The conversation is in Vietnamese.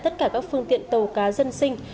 tất cả các phương tiện tàu cá dân sinh